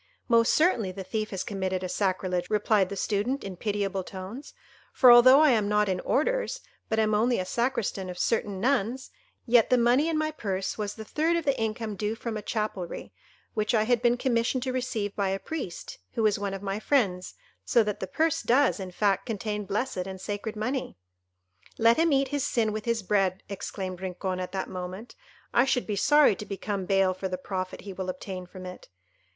"Most certainly the thief has committed a sacrilege," replied the Student, in pitiable tones; "for although I am not in orders, but am only a Sacristan of certain nuns, yet the money in my purse was the third of the income due from a chapelry, which I had been commissioned to receive by a priest, who is one of my friends, so that the purse does, in fact, contain blessed and sacred money." "Let him eat his sin with his bread," exclaimed Rincon at that moment; "I should be sorry to become bail for the profit he will obtain from it.